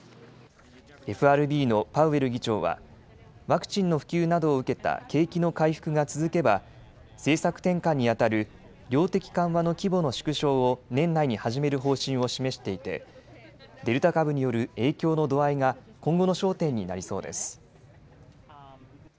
ＦＲＢのパウエル議長はワクチンの普及などを受けた景気の回復が続けば政策転換にあたる量的緩和の規模の縮小を年内に始める方針を示していてデルタ株による影響の度合いが今後の焦点になりそうです。